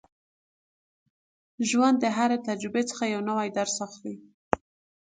ژوند د هرې تجربې څخه یو نوی درس اخلي.